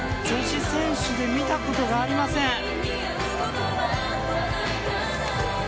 女子選手で見たことがありません。